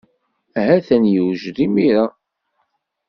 Atan yewjed imir-a.